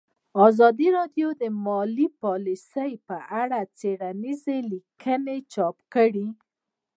ازادي راډیو د مالي پالیسي په اړه څېړنیزې لیکنې چاپ کړي.